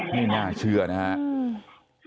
นี่น่าเชื่อนะฮะ